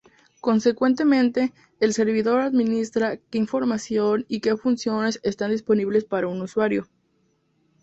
Consecuentemente, el servidor administra que información y que funciones están disponibles para un usuario.